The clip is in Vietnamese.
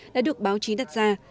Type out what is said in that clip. đã được báo chí đặt ra